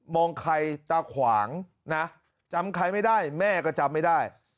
ใครตาขวางนะจำใครไม่ได้แม่ก็จำไม่ได้